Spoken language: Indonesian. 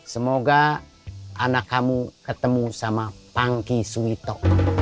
semoga anak kamu ketemu sama pangki suito